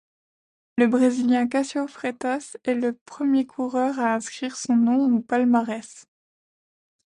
Le Brésilien Cássio Freitas est le premier coureur à inscrire son nom au palmarès.